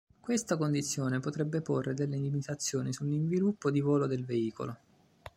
Questa condizione potrebbe porre delle limitazioni sull'inviluppo di volo del veicolo.